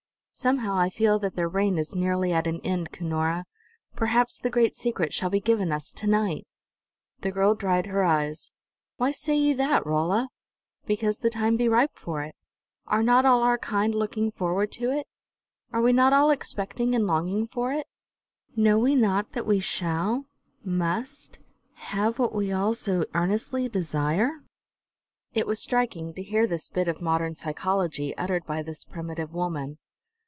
"Somehow I feel that Their reign is nearly at an end, Cunora. Perhaps the great secret shall be given us to night!" The girl dried her tears. "Why say ye that, Rolla?" "Because the time be ripe for it. Are not all our kind looking forward to it? Are we not all expecting and longing for it? Know we not that we shall, must, have what we all so earnestly desire?" It was striking, to hear this bit of modern psychology uttered by this primitive woman.